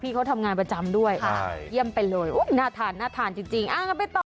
พี่เขาทำงานประจำด้วยใช่เยี่ยมไปเลยอุ๊ยหน้าฐานหน้าฐานจริงจริงอ่าไปต่อ